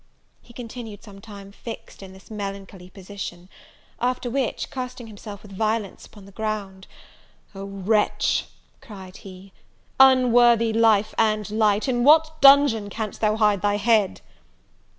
He continued some time fixed in this melancholy position; after which, casting himself with violence upon the ground, "Oh wretch," cried he, "unworthy life and light, in what dungeon canst thou hide thy head?"